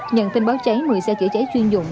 nhận tin báo cháy một mươi xe chữa cháy chuyên dụng